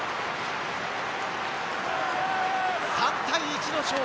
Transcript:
３対１の勝利。